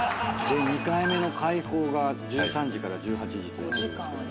２回目の解放が１３時から１８時ということですけど。